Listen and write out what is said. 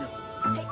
はい。